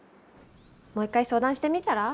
もう一回相談してみたら？